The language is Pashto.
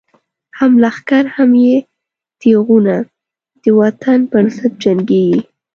هم لښکر هم یی تیغونه، دوطن پر ضد جنګیږی